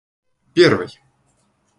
первой